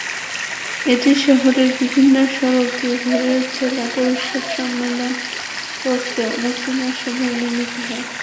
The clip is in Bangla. এটি শহরের বিভিন্ন সড়ক ঘুরে জেলা পরিষদ সম্মেলনকক্ষে আলোচনা সভায় মিলিত হয়।